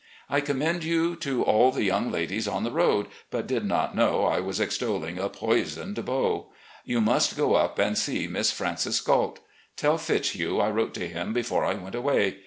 I commended you to all the young ladies on the road, but did not know I was extolling a poisoned beau ! Y'ou must go up and see Miss Francis Galt. Tell Fitzhugh I wrote to him before I went away.